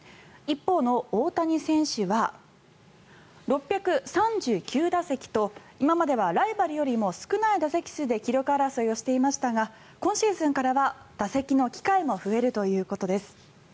一方の大谷選手は６３９打席と今まではライバルよりも少ない打席数で記録争いをしていましたが今シーズンからは打席の機会も増えるということです。